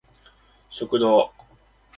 食堂